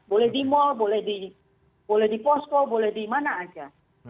boleh di mal boleh di posko boleh di mana aja